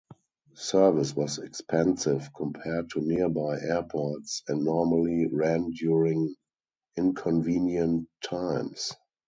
Service was expensive compared to nearby airports, and normally ran during inconvenient times.